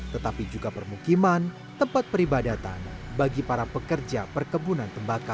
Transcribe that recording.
tetapi juga permukiman tempat peribadatan bagi para pekerja perkebunan tembakau